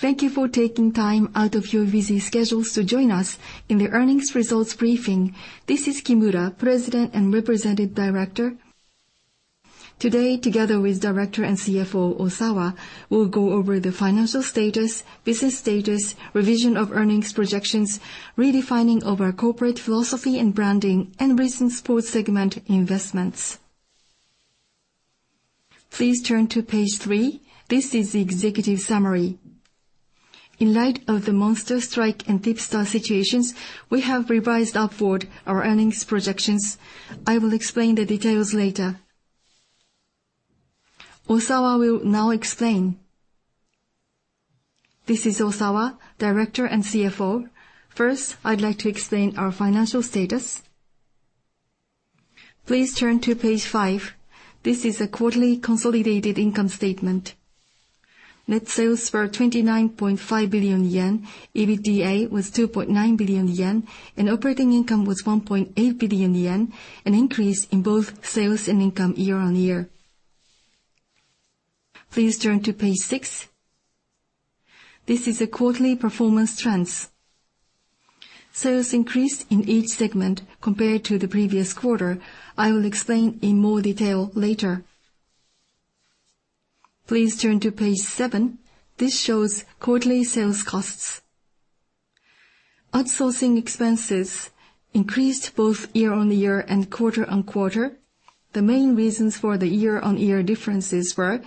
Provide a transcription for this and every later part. Thank you for taking time out of your busy schedules to join us in the earnings results briefing. This is Kimura, President and Representative Director. Today, together with Director and CFO Osawa, we'll go over the financial status, business status, revision of earnings projections, redefining of our corporate philosophy and branding, and recent sports segment investments. Please turn to page three. This is the executive summary. In light of the Monster Strike and TIPSTAR situations, we have revised upward our earnings projections. I will explain the details later. Osawa will now explain. This is Osawa, Director and CFO. First, I'd like to explain our financial status. Please turn to page five. This is a quarterly consolidated income statement. Net sales were 29.5 billion yen. EBITDA was 2.9 billion yen, and operating income was 1.8 billion yen, an increase in both sales and income year-on-year. Please turn to page six. This is the quarterly performance trends. Sales increased in each segment compared to the previous quarter. I will explain in more detail later. Please turn to page seven. This shows quarterly sales costs. Outsourcing expenses increased both year-on-year and quarter-on-quarter. The main reasons for the year-on-year differences were,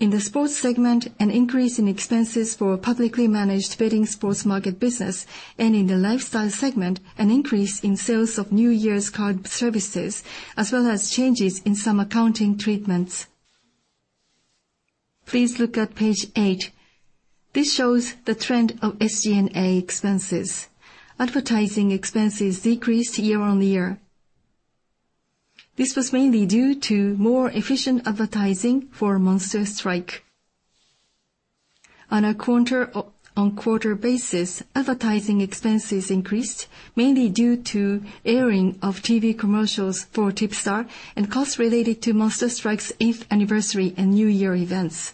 in the sports segment, an increase in expenses for publicly managed betting sports market business, and in the lifestyle segment, an increase in sales of New Year's card services, as well as changes in some accounting treatments. Please look at page eight. This shows the trend of SG&A expenses. Advertising expenses decreased year-on-year. This was mainly due to more efficient advertising for Monster Strike. On a quarter-on-quarter basis, advertising expenses increased mainly due to airing of TV commercials for TIPSTAR and costs related to Monster Strike's eighth anniversary and New Year events.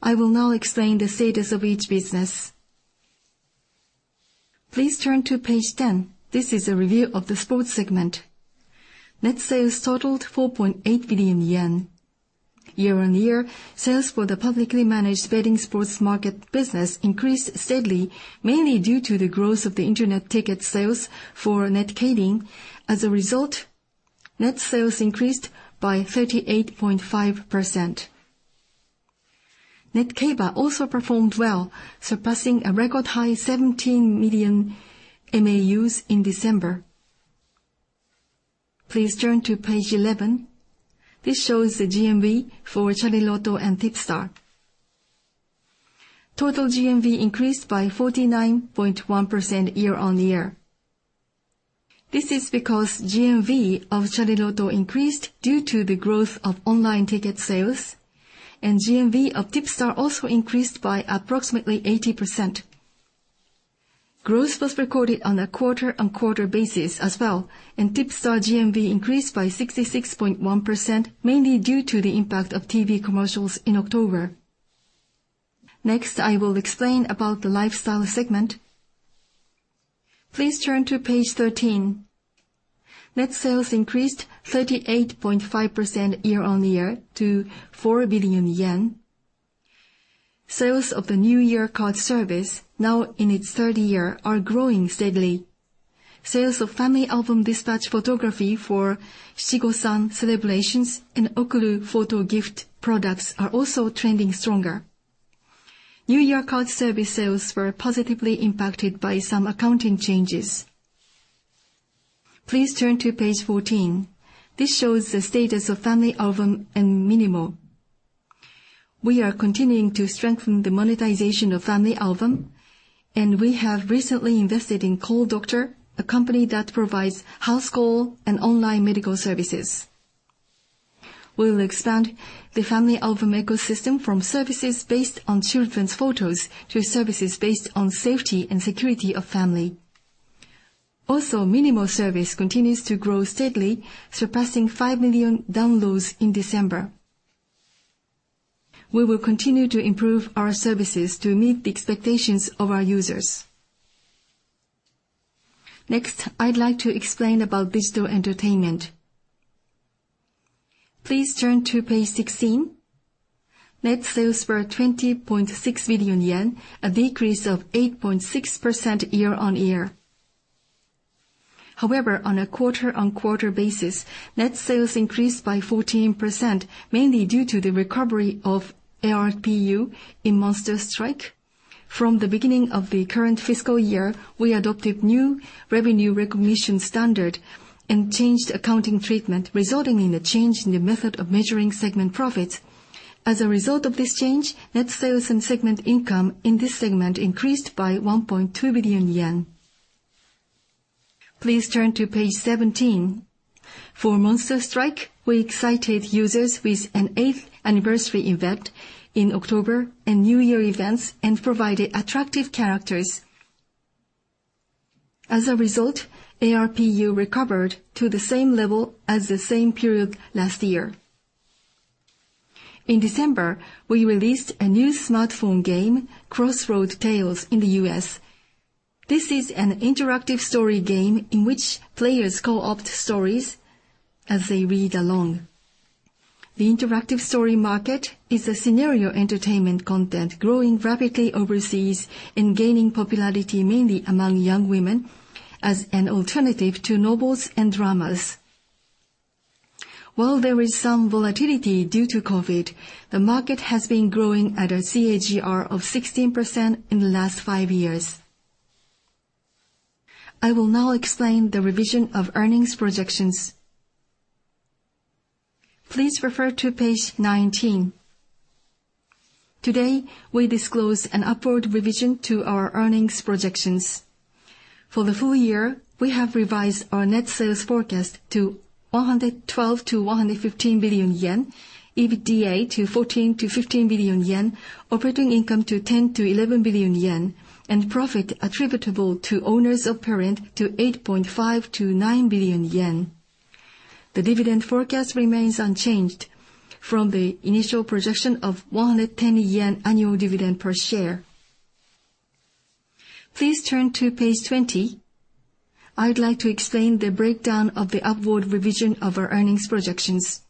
I will now explain the status of each business. Please turn to page 10. This is a review of the sports segment. Net sales totaled 4.8 billion yen. Year-on-year, sales for the publicly managed betting sports market business increased steadily, mainly due to the growth of the internet ticket sales for netkeirin. As a result, net sales increased by 38.5%. Netkeiba also performed well, surpassing a record high 17 million MAUs in December. Please turn to page 11. This shows the GMV for Chariloto and TIPSTAR. Total GMV increased by 49.1% year-on-year. This is because GMV of Chariloto increased due to the growth of online ticket sales, and GMV of TIPSTAR also increased by approximately 80%. Growth was recorded on a quarter-on-quarter basis as well, and TIPSTAR GMV increased by 66.1%, mainly due to the impact of TV commercials in October. Next, I will explain about the lifestyle segment. Please turn to page 13. Net sales increased 38.5% year-on-year to 4 billion yen. Sales of the New Year card service, now in its third year, are growing steadily. Sales of FamilyAlbum dispatch photography for Shichi-Go-San celebrations and OKURU photo gift products are also trending stronger. New Year card service sales were positively impacted by some accounting changes. Please turn to page 14. This shows the status of FamilyAlbum and minimo. We are continuing to strengthen the monetization of FamilyAlbum, and we have recently invested in Call Doctor, a company that provides house call and online medical services. We will expand the FamilyAlbum ecosystem from services based on children's photos to services based on safety and security of family. Also, minimo service continues to grow steadily, surpassing 5 million downloads in December. We will continue to improve our services to meet the expectations of our users. Next, I'd like to explain about digital entertainment. Please turn to page 16. Net sales were 20.6 billion yen, a decrease of 8.6% year-on-year. However, on a quarter-on-quarter basis, net sales increased by 14%, mainly due to the recovery of ARPU in Monster Strike. From the beginning of the current fiscal year, we adopted new revenue recognition standard and changed accounting treatment, resulting in a change in the method of measuring segment profits. As a result of this change, net sales and segment income in this segment increased by 1.2 billion yen. Please turn to page 17. For Monster Strike, we excited users with an eighth anniversary event in October and New Year events, and provided attractive characters. As a result, ARPU recovered to the same level as the same period last year. In December, we released a new smartphone game, Crossroad Tales, in the U.S. This is an interactive story game in which players co-op stories as they read along. The interactive story market is a scenario entertainment content growing rapidly overseas and gaining popularity mainly among young women as an alternative to novels and dramas. While there is some volatility due to COVID, the market has been growing at a CAGR of 16% in the last five years. I will now explain the revision of earnings projections. Please refer to page 19. Today, we disclose an upward revision to our earnings projections. For the full year, we have revised our net sales forecast to 112 billion-115 billion yen, EBITDA to 14 billion-15 billion yen, operating income to 10 billion-11 billion yen, and profit attributable to owners of parent to 8.5 billion-9 billion yen. The dividend forecast remains unchanged from the initial projection of 110 yen annual dividend per share. Please turn to page 20. I'd like to explain the breakdown of the upward revision of our earnings projections.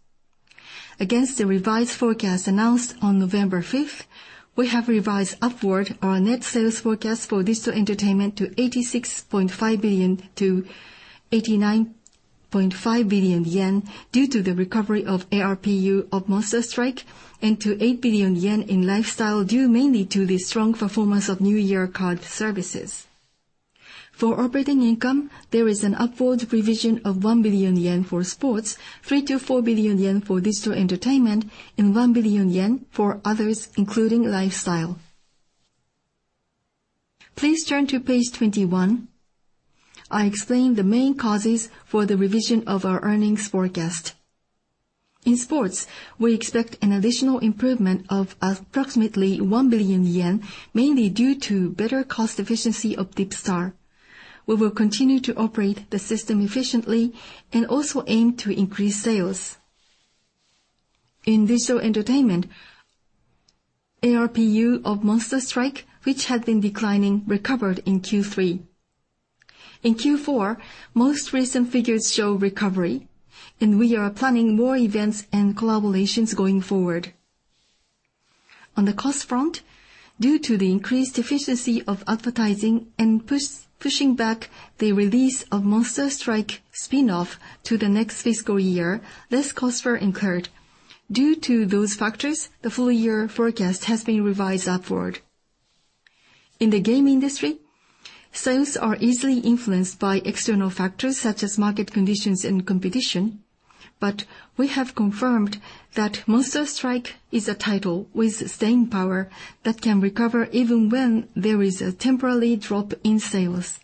Against the revised forecast announced on November 5th, we have revised upward our net sales forecast for digital entertainment to 86.5 billion-89.5 billion yen due to the recovery of ARPU of Monster Strike and to 8 billion yen in lifestyle due mainly to the strong performance of new year card services. For operating income, there is an upward revision of 1 billion yen for sports, 3 billion-4 billion yen for digital entertainment, and 1 billion yen for others, including lifestyle. Please turn to page 21. I explain the main causes for the revision of our earnings forecast. In sports, we expect an additional improvement of approximately 1 billion yen, mainly due to better cost efficiency of TIPSTAR. We will continue to operate the system efficiently and also aim to increase sales. In digital entertainment, ARPU of Monster Strike, which had been declining, recovered in Q3. In Q4, most recent figures show recovery, and we are planning more events and collaborations going forward. On the cost front, due to the increased efficiency of advertising and pushing back the release of Monster Strike Spin-off to the next fiscal year, less costs were incurred. Due to those factors, the full year forecast has been revised upward. In the game industry, sales are easily influenced by external factors such as market conditions and competition, but we have confirmed that Monster Strike is a title with staying power that can recover even when there is a temporary drop in sales.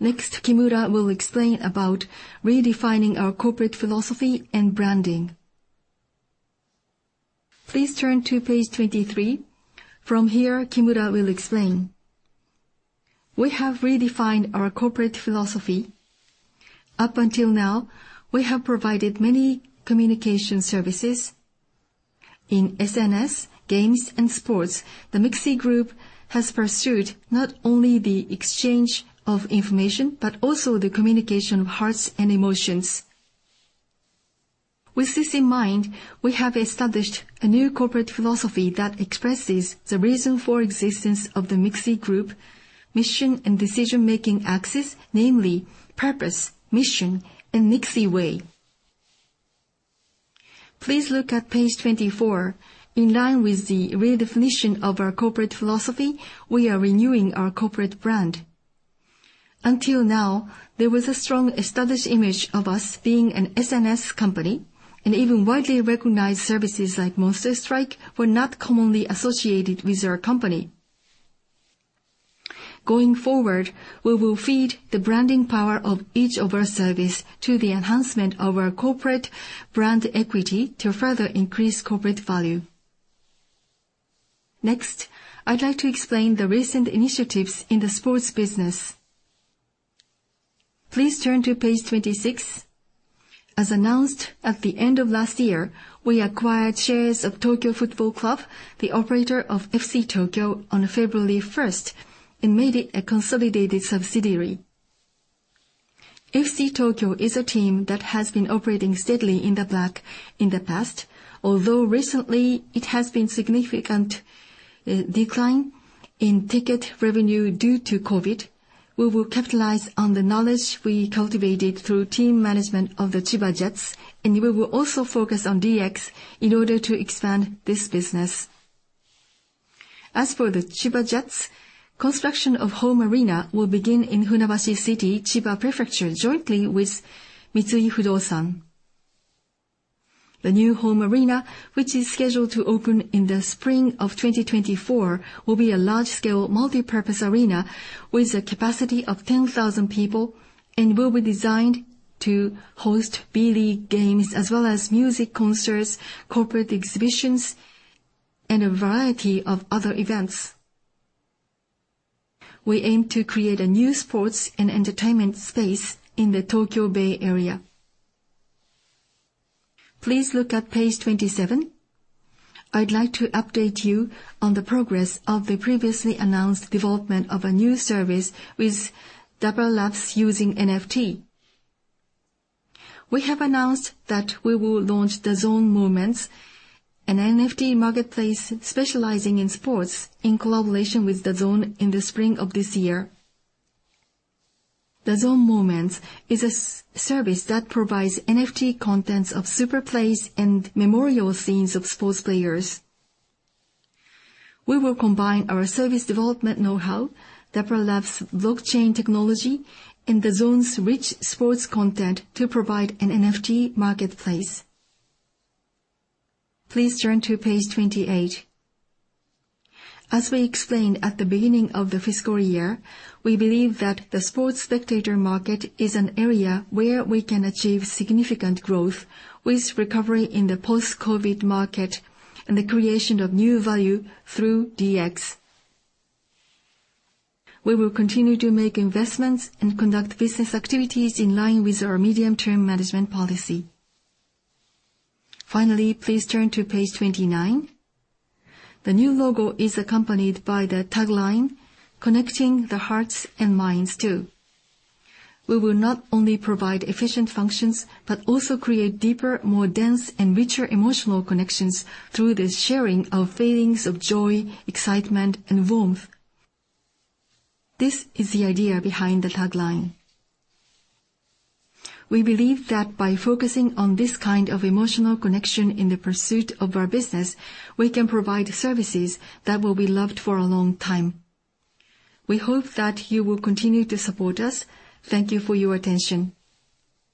Next, Kimura will explain about redefining our corporate philosophy and branding. Please turn to page 23. From here, Kimura will explain. We have redefined our corporate philosophy. Up until now, we have provided many communication services. In SNS, games, and sports, the MIXI group has pursued not only the exchange of information, but also the communication of hearts and emotions. With this in mind, we have established a new corporate philosophy that expresses the reason for existence of the MIXI group, mission and decision-making axis, namely purpose, mission, and MIXI WAY. Please look at page 24. In line with the redefinition of our corporate philosophy, we are renewing our corporate brand. Until now, there was a strong established image of us being an SNS company, and even widely recognized services like Monster Strike were not commonly associated with our company. Going forward, we will feed the branding power of each of our service to the enhancement of our corporate brand equity to further increase corporate value. Next, I'd like to explain the recent initiatives in the sports business. Please turn to page 26. As announced at the end of last year, we acquired shares of Tokyo Football Club, the operator of FC Tokyo, on February 1st and made it a consolidated subsidiary. FC Tokyo is a team that has been operating steadily in the black in the past. Although recently there has been a significant decline in ticket revenue due to COVID, we will capitalize on the knowledge we cultivated through team management of the Chiba Jets, and we will also focus on DX in order to expand this business. As for the Chiba Jets, construction of home arena will begin in Funabashi City, Chiba Prefecture, jointly with Mitsui Fudosan. The new home arena, which is scheduled to open in the spring of 2024, will be a large-scale multipurpose arena with a capacity of 10,000 people and will be designed to host B.LEAGUE games as well as music concerts, corporate exhibitions, and a variety of other events. We aim to create a new sports and entertainment space in the Tokyo Bay area. Please look at page 27. I'd like to update you on the progress of the previously announced development of a new service with Dapper Labs using NFT. We have announced that we will launch DAZN Moments, an NFT marketplace specializing in sports, in collaboration with DAZN in the spring of this year. DAZN Moments is a service that provides NFT contents of super plays and memorial scenes of sports players. We will combine our service development knowhow, Dapper Labs' blockchain technology, and DAZN's rich sports content to provide an NFT marketplace. Please turn to page 28. As we explained at the beginning of the fiscal year, we believe that the sports spectator market is an area where we can achieve significant growth with recovery in the post-COVID market and the creation of new value through DX. We will continue to make investments and conduct business activities in line with our medium-term management policy. Finally, please turn to page 29. The new logo is accompanied by the tagline, "Connecting the hearts and minds too." We will not only provide efficient functions, but also create deeper, more dense, and richer emotional connections through the sharing of feelings of joy, excitement, and warmth. This is the idea behind the tagline. We believe that by focusing on this kind of emotional connection in the pursuit of our business, we can provide services that will be loved for a long time. We hope that you will continue to support us. Thank you for your attention.